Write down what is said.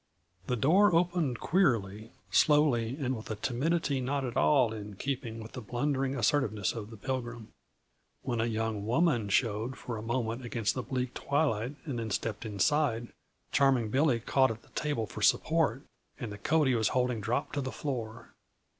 The door opened queerly; slowly, and with a timidity not at all in keeping with the blundering assertiveness of the Pilgrim. When a young woman showed for a moment against the bleak twilight and then stepped inside, Charming Billy caught at the table for support, and the coat he was holding dropped to the floor.